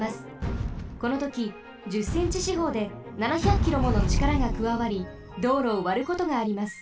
このとき１０センチしほうで７００キロものちからがくわわり道路をわることがあります。